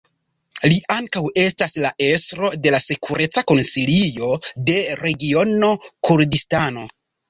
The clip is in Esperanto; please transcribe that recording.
Li ankaŭ estas la estro de la Sekureca Konsilio de Regiono Kurdistano.